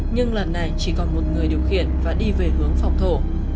nhưng lần này chỉ còn một người điều khiển và đi về hướng phòng thổ